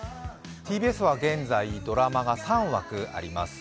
ＴＢＳは現在、ドラマが３枠あります。